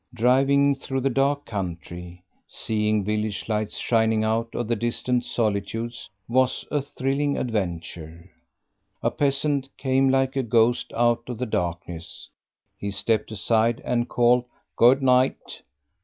Driving through the dark country, seeing village lights shining out of the distant solitudes, was a thrilling adventure. A peasant came like a ghost out of the darkness; he stepped aside and called, "Good night!"